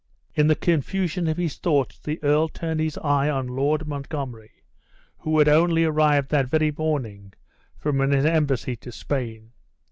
In the confusion of his thoughts, the earl turned his eye on Lord Montgomery, who had only arrived that very morning from an embassy to Spain.